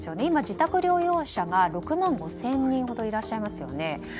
今、自宅療養者が６万５０００人ほどいらっしゃいますよね。